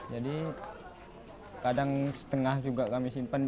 jadi kadang setengah juga kami simpan